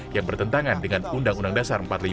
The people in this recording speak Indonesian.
yang bertentangan dengan undang undang dasar empat puluh lima